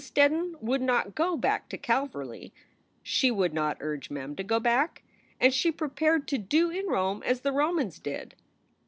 Steddon would not go back to Calverly; she would not urge Mem to go back; and she prepared to do in Rome as the Romans did.